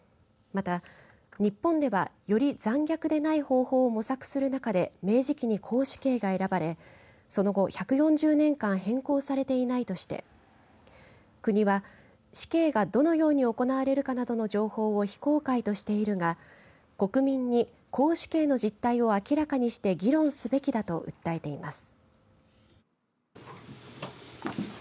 また、日本では、より残虐でない方法を模索する中で明治期に絞首刑が選ばれその後、１４０年間変更されていないとして国は、死刑がどのように行われるかなどの情報を非公開としているか国民に絞首刑の実態を明らかにして議論すべきだと訴えています。